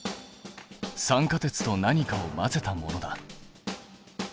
酸化鉄と何かを混ぜたものだ。